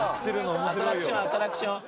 アトラクションアトラクション。